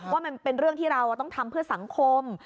ว่ามันเป็นเรื่องที่เราต้องทำเพื่อสังคม